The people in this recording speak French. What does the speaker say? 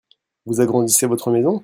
Vous agrandissez votre maison ?